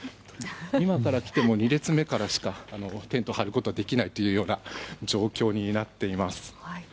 今から来ても２列目からしかテントを張ることができないという状況になっています。